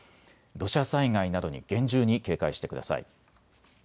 土砂災害などに厳重に警戒してください。